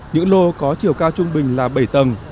những lô có chiều cao trung bình là bảy tầng